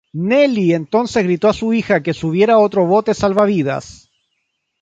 Nellie entonces gritó a su hija que subiera a otro bote salvavidas.